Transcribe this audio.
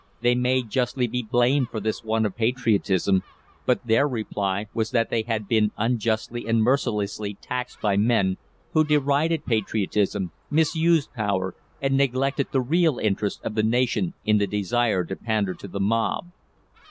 They may justly be blamed for this want of patriotism, but their reply was that they had been unjustly and mercilessly taxed by men who derided patriotism, misused power, and neglected the real interests of the nation in the desire to pander to the mob.